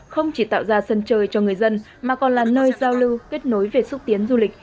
không chỉ tạo ra sân chơi cho người dân mà còn là nơi giao lưu kết nối về xúc tiến du lịch